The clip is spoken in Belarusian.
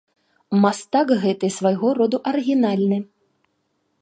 Мастак гэты свайго роду арыгінальны.